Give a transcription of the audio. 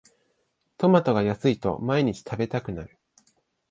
トマトが安いと毎日食べたくなる